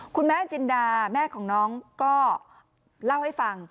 คุณแม่จินดาแม่ของน้องก็เล่าให้ฟัง